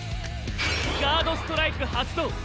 ガード・ストライク発動！